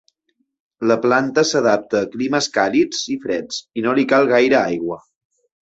La planta s'adapta a climes càlids i freds i no li cal gaire aigua.